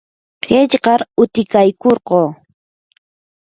qillqar utikaykurquu.